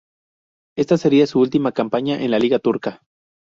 Esta sería su última campaña en la liga turca.